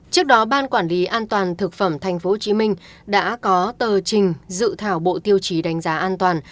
trước đó ban quản lý an toàn thực phẩm tp hcm đã có tờ trình dự thảo bộ tiêu chí đánh giá an toàn